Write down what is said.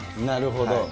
なるほど。